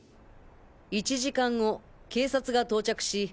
１時間後警察が到着し